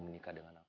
menyikah dengan aku